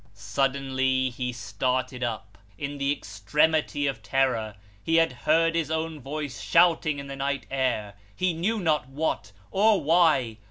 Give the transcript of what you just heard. Suddenly he started up, in the extremity of terror. He had heard his own voice shouting in the night air, he knew not what, or why.